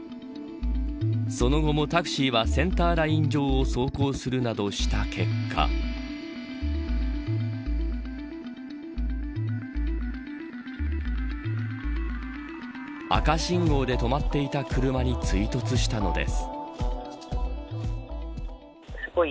その後もタクシーはセンターライン上を走行するなどした結果赤信号で止まっていた車に追突したのです。